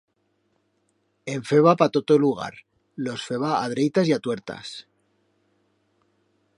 En feba pa tot o lugar, los feba a dreitas y a tuertas...